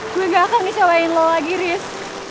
gue gak akan nyeselain lo lagi ris